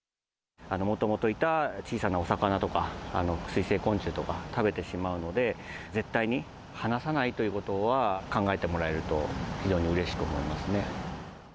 もともといた小さなお魚とか、水生昆虫とかを食べてしまうので、絶対に放さないということは考えてもらえると、非常にうれしく思いますね。